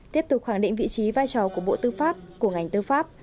tiếp tục khẳng định vị trí vai trò của bộ tư pháp của ngành tư pháp